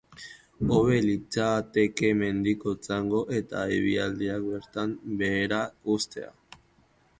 Hobe litzateke mendiko txango eta ibilaldiak bertan behera uztea.